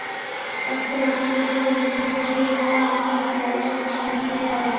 পাকিস্তান অভিযোগ করেছে, ভারতনিয়ন্ত্রিত কাশ্মীরের চলমান আন্দোলন ঠেকাতেই বালুচদের সমর্থন দেয় ভারত।